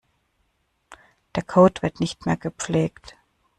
Der Code wird nicht mehr gepflegt.